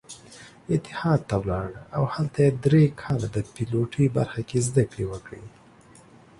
اتحاد ته ولاړ او هلته يې درې کاله د پيلوټۍ برخه کې زدکړې وکړې.